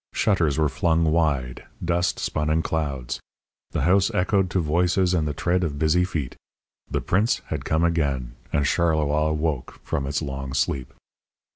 Shutters were flung wide; dust spun in clouds; the house echoed to voices and the tread of busy feet. The prince had come again, and Charleroi woke from its long sleep.